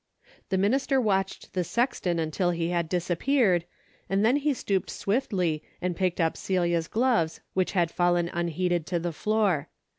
The minister watched the sexton until he had disappeared, and then he stooped swiftly and picked up Celia's gloves which had fallen unheeded to the floor.